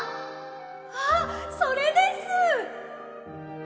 あっそれです！